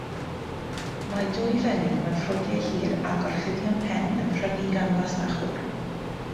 Mae dwy fenyw mewn ffrogiau hir a gorchuddion pen yn prynu gan fasnachwr.